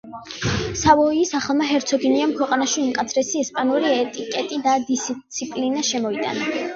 სავოიის ახალმა ჰერცოგინიამ ქვეყანაში უმკაცრესი ესპანური ეტიკეტი და დისციპლინა შემოიტანა.